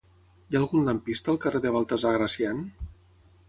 Hi ha algun lampista al carrer de Baltasar Gracián?